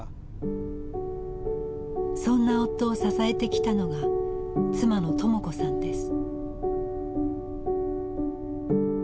そんな夫を支えてきたのが妻の朋子さんです。